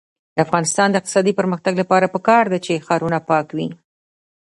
د افغانستان د اقتصادي پرمختګ لپاره پکار ده چې ښارونه پاک وي.